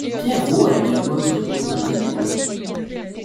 Pierre Rault a également œuvré pour des intérieurs.